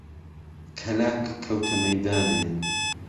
کەلاک کهوته مهیدانێ